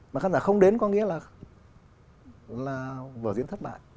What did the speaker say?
mà khán giả không đến có nghĩa là vở diễn thất bại